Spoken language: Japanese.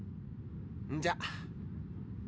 じゃあ。